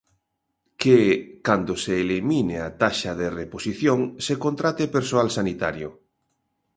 Que, cando se elimine a taxa de reposición, se contrate persoal sanitario.